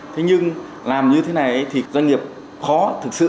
thế nhưng làm như thế này thì doanh nghiệp khó thực sự